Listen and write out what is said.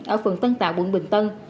ở phần tân tạo quận bình tân